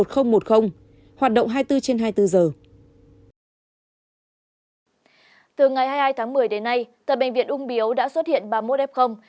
từ ngày hai mươi hai tháng một mươi đến nay tại bệnh viện ung biếu đã xuất hiện bà mô đẹp không